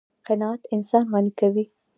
قناعت انسان غني کوي.